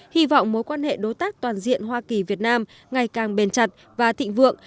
hy vọng mối quan hệ đối tác toàn diện hoa kỳ việt nam ngày càng bền chặt và thịnh vượng